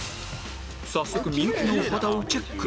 早速幸のお肌をチェック